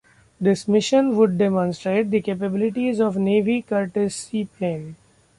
This mission would demonstrate the capabilities of the Navy Curtis seaplane.